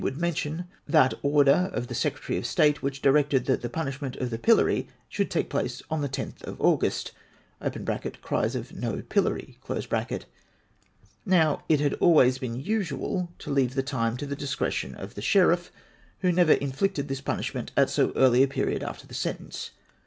449 would mention that order of the Secretary of State which directed that the punishment of the pillory should take place on the 10th of August (cries of " No Pillory^''). Now it had always been usual to leave the time to the discretion of the Sheriff, who never inflicted this punishment at so early a period after the sentence.